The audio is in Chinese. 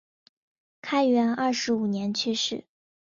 开元二十五年去世。